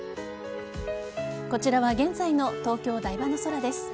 こちらは現在の東京・台場の空です。